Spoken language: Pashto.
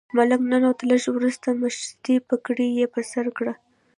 ملک ننوت، لږ وروسته مشدۍ پګړۍ یې پر سر کړه.